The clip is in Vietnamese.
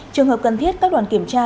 trường hợp cần thiết các đoàn kiểm tra